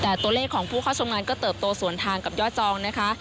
แต่ตัวเลขของผู้เข้าชมงานก็เติบโตสวนทางกับยอดจองนะคะ